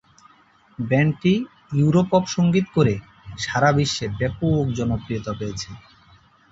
ব্যান্ডটি euro pop সঙ্গীত করে সারা বিশ্বে ব্যাপক জনপ্রিয়তা পেয়েছে।